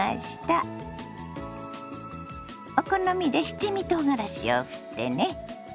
お好みで七味とうがらしをふってね。